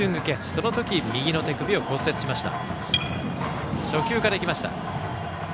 その時、右の手首を骨折しました。